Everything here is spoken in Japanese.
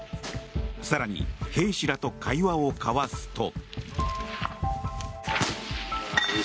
更に兵士らと会話を交わすと。